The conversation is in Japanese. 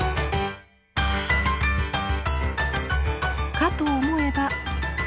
かと思えば。